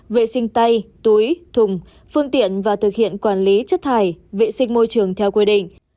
vệ sinh tay túi thùng phương tiện và thực hiện quản lý chất thải vệ sinh môi trường theo quy định